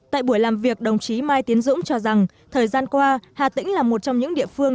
tại buổi làm việc đồng chí mai tiến dũng cho rằng thời gian qua hà tĩnh là một trong những địa phương